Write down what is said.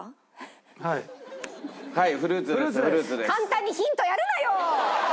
簡単にヒントやるなよ！